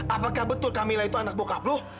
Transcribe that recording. apakah betul kamila itu anak bokap lo